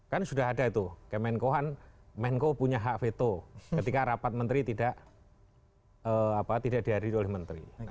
kan sudah ada itu kemenkohan menko punya hak veto ketika rapat menteri tidak dihadiri oleh menteri